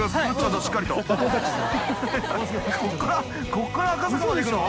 ここから赤坂まで行くの？